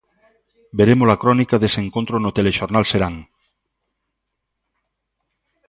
Veremos a crónica dese encontro no Telexornal Serán.